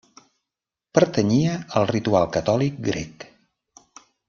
Pertanyia al ritual catòlic grec.